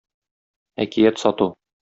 Әкият сату.